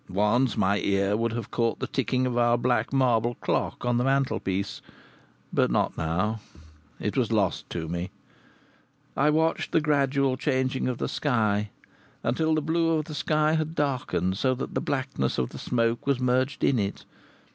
Once my ear would have caught the ticking of our black marble clock on the mantelpiece; but not now it was lost to me. I watched the gradual changing of the sky, until the blue of the sky had darkened so that the blackness of the smoke was merged in it.